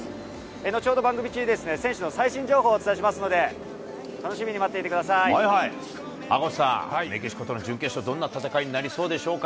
後ほど、番組中に選手の最新情報をお伝えしますので、楽しみに待赤星さん、メキシコとの準決勝、どんな戦いになりそうでしょうか。